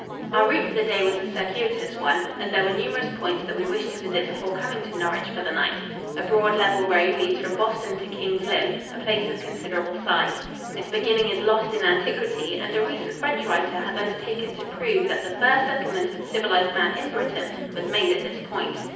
Our route for the day was a circuitous one, as there were numerous points that we wished to visit before coming to Norwich for the night. A broad, level road leads from Boston to King's Lynn, a place of considerable size. Its beginning is lost in antiquity, and a recent French writer has undertaken to prove that the first settlement of civilized man in Britain was made at this point.